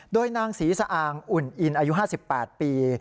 โดยนางศรีสะอางอุ่นอินอายุ๕๘ปี